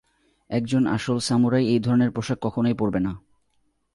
একজন আসল সামুরাই এই ধরনের পোশাক কখনোই পরবে না।